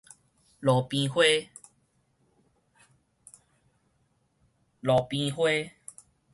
路邊花